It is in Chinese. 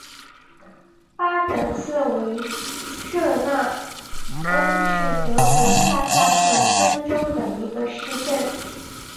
巴德茨维舍纳恩是德国下萨克森州的一个市镇。